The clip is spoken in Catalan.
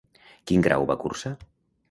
Quin grau va cursar?